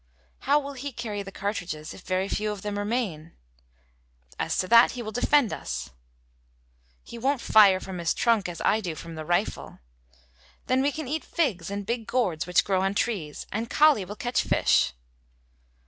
"How will he carry the cartridges, if very few of them remain?" "As to that, he will defend us." "But he won't fire from his trunk as I do from the rifle." "Then we can eat figs and big gourds which grow on the trees, and Kali will catch fish."